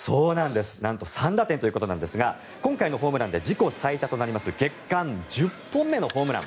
なんと３打点ということですが今回のホームランで自己最多となる月間１０本目のホームラン。